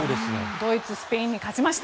ドイツ、スペインに勝ちました。